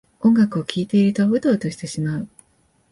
音楽を聴いているとウトウトしてしまう